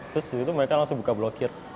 terus di situ mereka langsung buka blokir